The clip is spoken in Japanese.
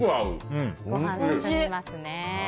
ご飯が進みますね。